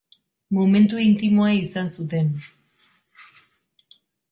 Momentu intimoa izan zuten.